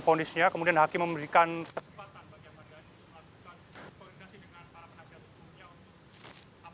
fondisnya kemudian hakim memberikan kesempatan bagi ahmad dhani melakukan komunikasi dengan